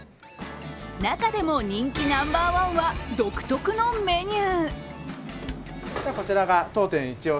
中でも人気ナンバーワンは、独特のメニュー。